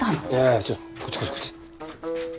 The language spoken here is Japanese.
いやちょこっちこっちこっち。